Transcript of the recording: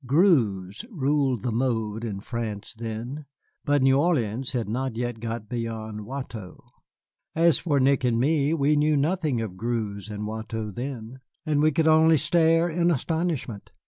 Greuze ruled the mode in France then, but New Orleans had not got beyond Watteau. As for Nick and me, we knew nothing of Greuze and Watteau then, and we could only stare in astonishment.